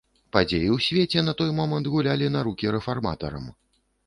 Падзеі ў свеце на той момант гулялі на рукі рэфарматарам.